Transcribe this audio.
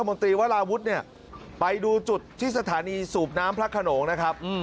รัฐมนตรีวลาวุฒิไปดูจุดที่สถานีสูบน้ำพระขนงนะครับ